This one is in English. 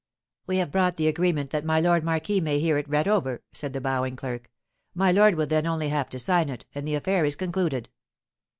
"We have brought the agreement that my lord marquis may hear it read over," said the bowing clerk; "my lord will then only have to sign it, and the affair is concluded."